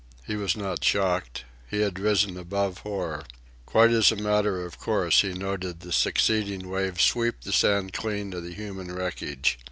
He was not shocked. He had risen above horror. Quite as a matter of course he noted the succeeding wave sweep the sand clean of the human wreckage.